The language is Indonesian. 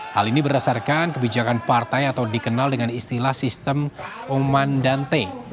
hal ini berdasarkan kebijakan partai atau dikenal dengan istilah sistem oman dan t